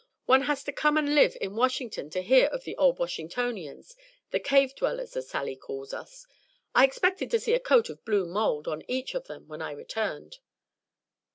One has to come and live in Washington to hear of the 'Old Washingtonians,' the 'cave dwellers,' as Sally calls us; I expected to see a coat of blue mould on each of them when I returned."